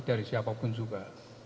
dari siapapun juga